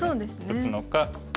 打つのか。